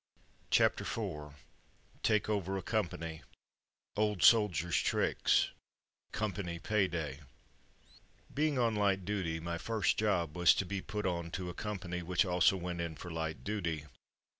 CHAPTER IV TAKE OVER A COMPANY — OLD SOLDIERS* TRICKS — COMPANY PAY DAY Being on light duty, my first job was to be put on to a company which also went in for light duty.